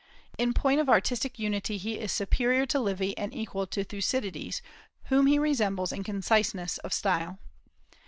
In point of artistic unity he is superior to Livy and equal to Thucydides, whom he resembles in conciseness of style.